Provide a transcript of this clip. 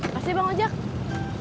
masih bango jack